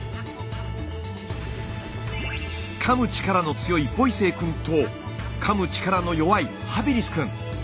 かむ力の強いボイセイくんとかむ力の弱いハビリスくん。